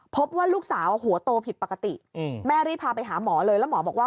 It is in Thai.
พบว่าลูกสาวหัวโตผิดปกติแม่รีบพาไปหาหมอเลยแล้วหมอบอกว่า